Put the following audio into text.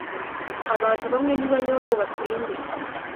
Abantu bamwe ntibanywa ngo basinde